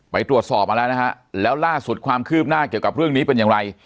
ไปตรวจสอบมาแล้วนะฮะแล้วล่าสุดความคืบหน้าเกี่ยวกับเรื่องนี้เป็นอย่างไร